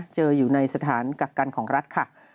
อยู่ในสถานกักกันของรัฐค่ะ